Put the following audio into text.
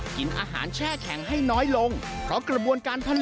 ๓กินอาหารแช่แข็งให้น้อยลงเพราะกระบวนการผลิตการเก็บรักษา